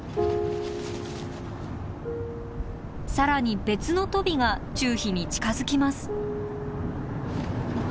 更に別のトビがチュウヒに近づきます。